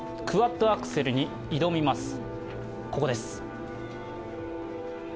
クワッドアクセルに挑みます。